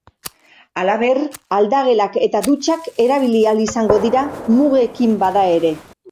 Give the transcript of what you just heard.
Halaber, aldagelak eta dutxak erabili ahal izango dira, mugekin bada ere.